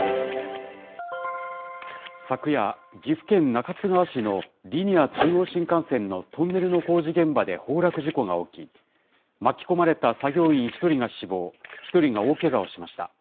昨夜、岐阜県中津川市のリニア中央新幹線のトンネルの工事現場で崩落事故が起き、巻き込まれた作業員１人が死亡、１人が大けがをしました。